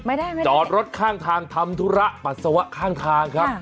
ได้ไหมจอดรถข้างทางทำธุระปัสสาวะข้างทางครับ